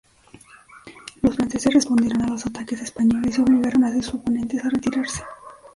Los franceses respondieron a los ataques españoles y obligaron a sus oponentes a retirarse.